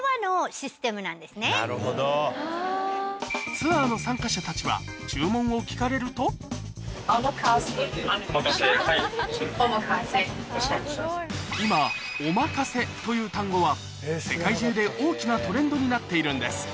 ツアーの参加者たちは今ＯＭＡＫＡＳＥという単語は世界中で大きなトレンドになっているんです